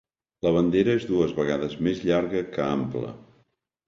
La bandera és dues vegades més llarga que ample.